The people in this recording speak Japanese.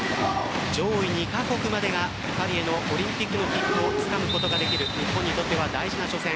上位２カ国までがパリへのオリンピックの切符をつかむことができる日本にとっては大事な初戦。